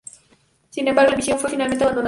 Sin embargo, la misión fue finalmente abandonada.